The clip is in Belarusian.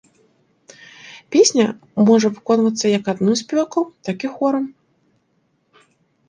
Песня можа выконвацца як адным спеваком, так і хорам.